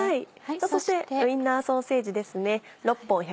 そしてウインナーソーセージですね。